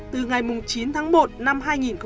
từ ngày chín tháng một năm hai nghìn một mươi chín